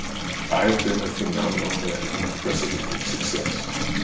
I have been a phenomenal and unprecedented success.